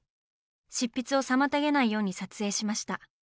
執筆を妨げないように撮影しました。